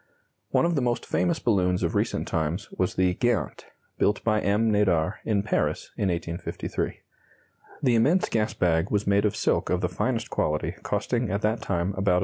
One of the most famous balloons of recent times was the "Geant," built by M. Nadar, in Paris, in 1853. The immense gas bag was made of silk of the finest quality costing at that time about $1.